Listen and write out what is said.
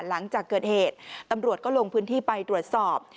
หลังจากเกิดเหตุตำรวจก็ลงพื้นที่ไปตรวจสอบ